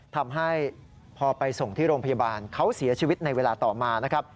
ทำให้พอไปส่งที่โรงพยาบาลเขาเสียชีวิตในเวลาต่อมานะครับ